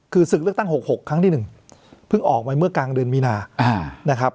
คือศึกเลือกตั้ง๖๖ครั้งที่๑เพิ่งออกมาเมื่อกลางเดือนมีนานะครับ